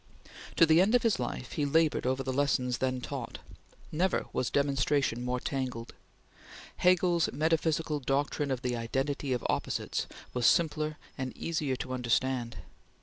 To the end of his life he labored over the lessons then taught. Never was demonstration more tangled. Hegel's metaphysical doctrine of the identity of opposites was simpler and easier to understand.